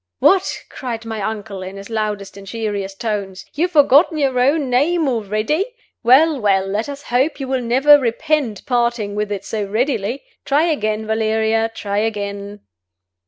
"What!" cried my uncle, in his loudest and cheeriest tones, "you have forgotten your own name already? Well, well! let us hope you will never repent parting with it so readily. Try again, Valeria try again."